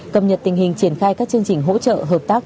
cập nhật tình hình triển khai các chương trình hỗ trợ hợp tác